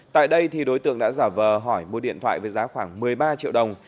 tại đây đối tượng đã giả vờ hỏi mua điện thoại với giá khoảng một mươi ba triệu đồng